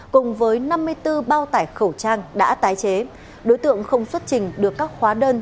cùng với năm mươi bốn bao tải khẩu trang đã tái chế đối tượng không xuất trình được các hóa đơn